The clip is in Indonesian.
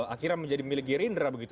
akhirnya menjadi milik gerindra begitu